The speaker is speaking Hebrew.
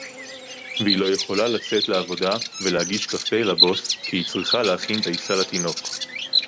והיא לא יכולה לצאת לעבודה ולהגיש קפה לבוס כי היא צריכה להכין דייסה לתינוק